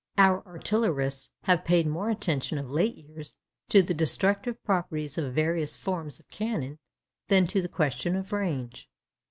_ Our artillerists have paid more attention of late years to the destructive properties of various forms of cannon than to the question of range.